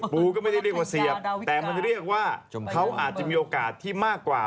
ปูก็ไม่ได้เรียกว่าเสียบแต่มันเรียกว่าเขาอาจจะมีโอกาสที่มากกว่า